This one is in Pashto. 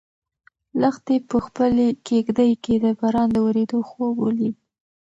لښتې په خپلې کيږدۍ کې د باران د ورېدو خوب ولید.